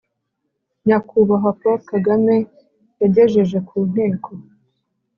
Nyakubahwa paul kagame yagejeje ku nteko